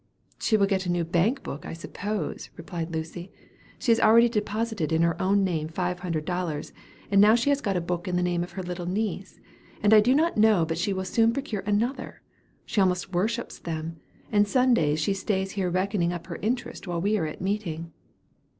"She will get a new bank book, I suppose," replied Lucy. "She has already deposited in her own name five hundred dollars, and now she has got a book in the name of her little niece, and I do not know but she will soon procure another. She almost worships them, and Sundays she stays here reckoning up her interest while we are at meeting."